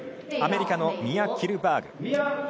アメリカのミア・キルバーグ。